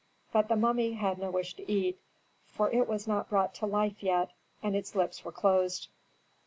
But the mummy had no wish to eat, for it was not brought to life yet, and its lips were closed.